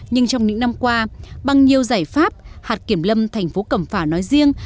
nhưng trong những năm qua bằng nhiều giải pháp hạt kiểm lâm thành phố cẩm phả nói riêng